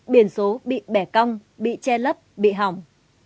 biển số bị bẻ cong bị che lấp bị hỏng